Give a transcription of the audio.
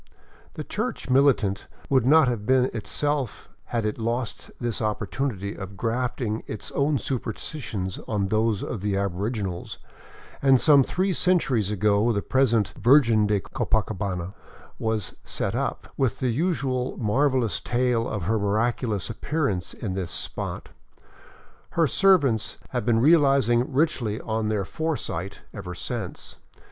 The church militant would not have been itself had it lost this opportunity of grafting its own superstitions on those of the aboriginals, and some three cen turies ago the present " Virgen de Copacabana " was set up, with the usual marvelous tale of her miraculous appearance in this spot. Her servants have been realizing richly on their foresight ever since.